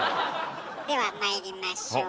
ではまいりましょう。